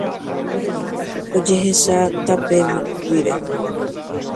Es visible desde la carretera.